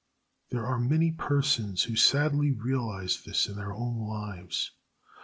There are many persons who sadly realize this in their own lives.